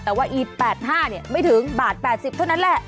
แต่ว่าอี๘๕ไม่ถึงบาท๘๐เท่านั้นแหละ